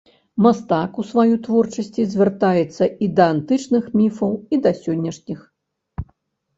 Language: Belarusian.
Мастак у сваёй творчасці звяртаецца і да антычных міфаў, і да сённяшніх.